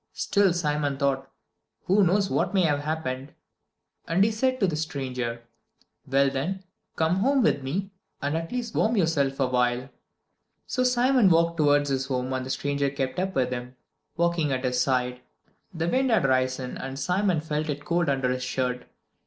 Still Simon thought, "Who knows what may have happened?" And he said to the stranger: "Well then, come home with me, and at least warm yourself awhile." So Simon walked towards his home, and the stranger kept up with him, walking at his side. The wind had risen and Simon felt it cold under his shirt.